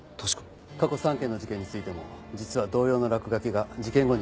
過去３件の事件についても実は同様の落書きが事件後に見つかっている。